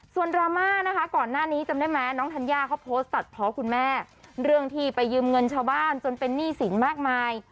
ส่วนดราม่านะคะก่อนหน้านี้จำได้ไหมน้องธัญญาเขาโพสต์ตัดเพาะคุณแม่เรื่องที่ไปยืมเงินชาวบ้านจนเป็นหนี้สินมากมาย